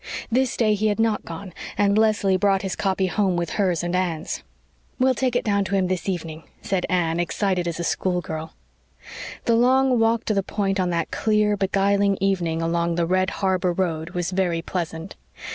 This day he had not gone, and Leslie brought his copy home with hers and Anne's. "We'll take it down to him this evening," said Anne, excited as a schoolgirl. The long walk to the Point on that clear, beguiling evening along the red harbor road was very pleasant.